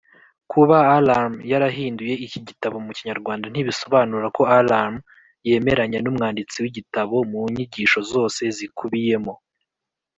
kuba alarm yarahinduye iki gitabo mu kinyarwanda ntibisobanura ko alarm yemeranya n’umwanditsi w’igitabo mu nyigisho zose zikubiyemo.